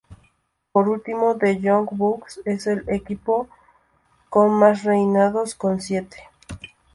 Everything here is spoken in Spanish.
Por último, The Young Bucks es el equipo con más reinados con siete.